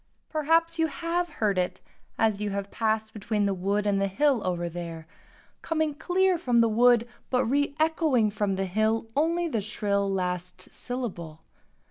Perhaps you have heard it as you have passed between the wood and the hill over there, coming clear from the wood but reëchoing from the hill only the shrill last syllable.